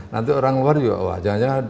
nanti orang luar ya wah jangan jangan